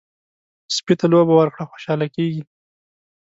سپي ته لوبه ورکړه، خوشحاله کېږي.